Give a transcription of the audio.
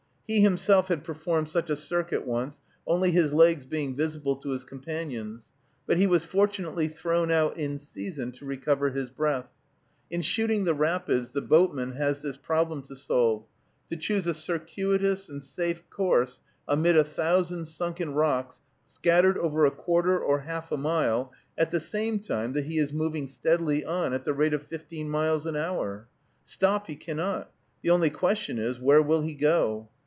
He himself had performed such a circuit once, only his legs being visible to his companions; but he was fortunately thrown out in season to recover his breath. In shooting the rapids, the boatman has this problem to solve: to choose a circuitous and safe course amid a thousand sunken rocks, scattered over a quarter or half a mile, at the same time that he is moving steadily on at the rate of fifteen miles an hour. Stop he cannot; the only question is, where will he go?